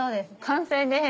完成です。